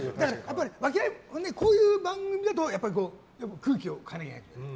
こういう番組だと空気を変えなきゃいけない。